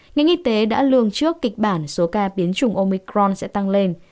ngành y tế đã lường trước kịch bản số ca biến chủng omicron sẽ tăng lên